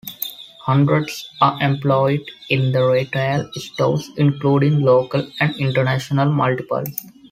Hundreds are employed in the retail stores including local and international multiples.